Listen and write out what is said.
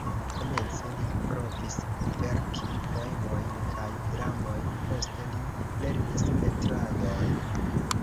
Komence li provis verki poemojn kaj dramojn, poste li lernis pentradon.